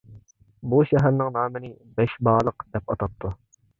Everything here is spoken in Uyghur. بۇ شەھەرنىڭ نامىنى «بەشبالىق» دەپ ئاتاپتۇ.